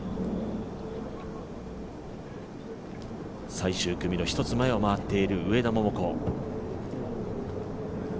最終組の１つ前を回っている上田桃子。